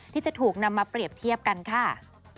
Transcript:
ที่จะถูกนำมาเปรียบเทียบกันค่ะ